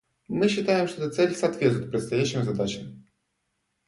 Мы считаем, что эта цель соответствует предстоящим задачам.